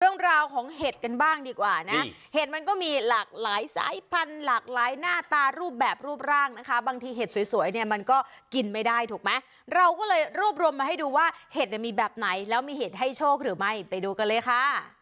เรื่องราวของเห็ดกันบ้างดีกว่านะเห็ดมันก็มีหลากหลายสายพันธุ์หลากหลายหน้าตารูปแบบรูปร่างนะคะบางทีเห็ดสวยเนี่ยมันก็กินไม่ได้ถูกไหมเราก็เลยรวบรวมมาให้ดูว่าเห็ดเนี่ยมีแบบไหนแล้วมีเห็ดให้โชคหรือไม่ไปดูกันเลยค่ะ